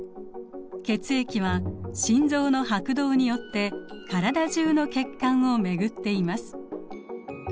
血液は心臓の拍動によって体中の血管を巡っています。